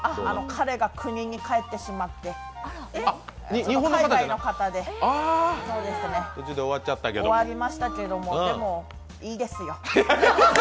彼が国に帰ってしまって、海外の方で終わりましたけどでも、いいですよ。